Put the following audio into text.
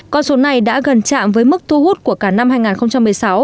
con số này đã gần chạm với mức thu hút của cả năm hai nghìn một mươi sáu